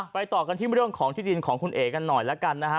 ต่อกันที่เรื่องของที่ดินของคุณเอ๋กันหน่อยแล้วกันนะฮะ